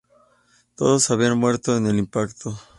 Todos habían muerto en el impacto.